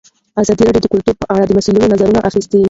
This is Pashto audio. ازادي راډیو د کلتور په اړه د مسؤلینو نظرونه اخیستي.